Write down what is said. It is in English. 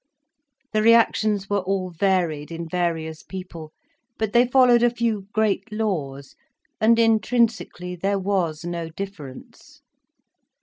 The reactions were all varied in various people, but they followed a few great laws, and intrinsically there was no difference.